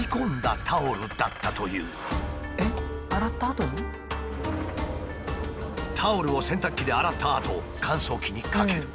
実は突然タオルを洗濯機で洗ったあと乾燥機にかける。